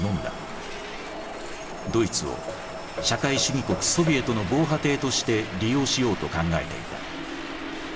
ドイツを社会主義国ソビエトの防波堤として利用しようと考えていた。